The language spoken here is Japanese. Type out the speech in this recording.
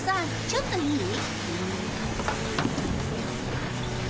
ちょっといい？